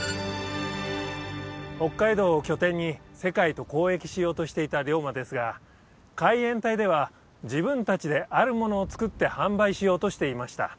北海道を拠点に世界と交易しようとしていた龍馬ですが海援隊では自分達であるものを作って販売しようとしていました